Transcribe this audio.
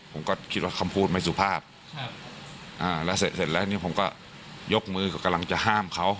ผมก็คิดว่าคำพูดไม่สุภาพครับอ่าแล้วเสร็จเสร็จแล้วเนี่ยผมก็ยกมือกำลังจะห้ามเขา